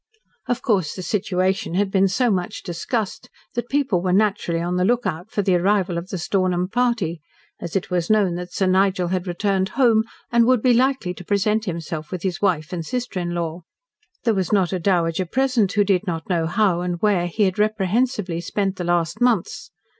Of course the situation had been so much discussed that people were naturally on the lookout for the arrival of the Stornham party, as it was known that Sir Nigel had returned home, and would be likely to present himself with his wife and sister in law. There was not a dowager present who did not know how and where he had reprehensibly spent the last months.